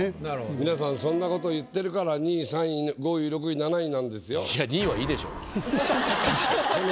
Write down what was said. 皆さんそんなこと言ってるから２位３位５位６位７位なんですよ。